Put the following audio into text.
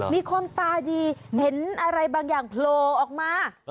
มีคนตาดีเห็นอะไรบางอย่างโผล่ออกมา